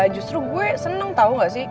justru gue seneng tau gak sih